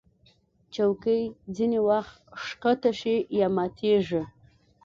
چوکۍ ځینې وخت ښکته شي یا ماتېږي.